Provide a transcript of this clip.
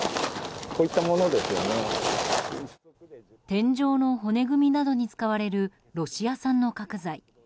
天井の骨組みなどに使われるロシア産の角材。